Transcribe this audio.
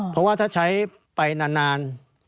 เพราะว่าถ้าใช้ไปนาน